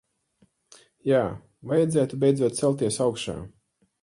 Jā, vajadzētu beidzot celties augšā.